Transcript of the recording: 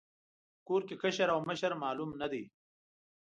کور کې کشر او مشر معلوم نه دی.